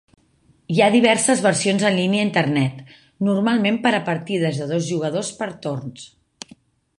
Hi ha diverses versions en línia a Internet, normalment per a partides de dos jugadors per torns.